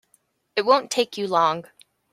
It won't take you long.